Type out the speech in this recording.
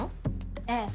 ええ。